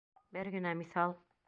Бер генә миҫал.